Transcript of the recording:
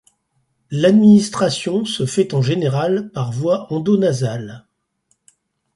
L'administration se fait en général par voie endonasale.